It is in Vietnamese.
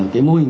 cái mô hình